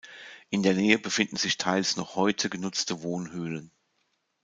In der Nähe befinden sich teils noch heute genutzte Wohnhöhlen.